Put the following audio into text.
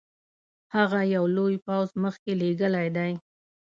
هغه یو لوی پوځ مخکي لېږلی دی.